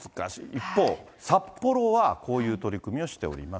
一方、札幌はこういう取り組みをしております。